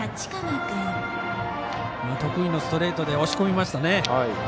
得意のストレートで押し込みましたね。